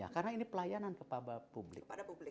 karena ini pelayanan kepada publik